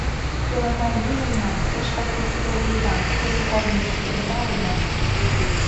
Пеленна ӱжынна, те шкак ӱчызӧ улыда, кужу корно деч лӱдында улмаш.